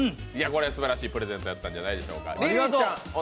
これ、すばらしいプレゼントだったんじゃないでしょうか。